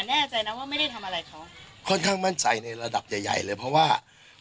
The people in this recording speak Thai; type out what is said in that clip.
แน่ใจนะว่าไม่ได้ทำอะไรเขาค่อนข้างมั่นใจในระดับใหญ่ใหญ่เลยเพราะว่า